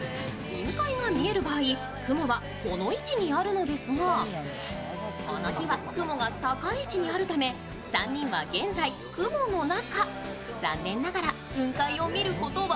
雲海が見える場合、雲はこの位置にあるのですが、この日は雲が高い位置にあるため３人は現在、雲の中。